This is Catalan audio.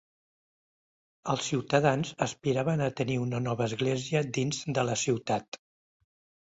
Els ciutadans aspiraven a tenir una nova església dins de la ciutat.